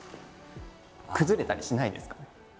崩れたりしないですか？